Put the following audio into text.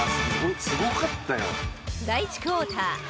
第１クォーター。